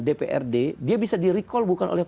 dprd dia bisa di recall bukan oleh